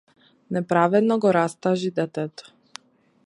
Неправедно го растажи детето.